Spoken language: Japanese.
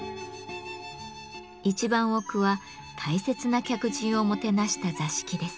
一番奥は大切な客人をもてなした座敷です。